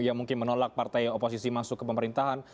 yang mungkin menolak partai oposisi masuk ke pemerintahan